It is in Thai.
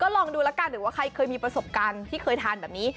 ลองดูแล้วกันหรือว่าใครเคยมีประสบการณ์ที่เคยทานแบบนี้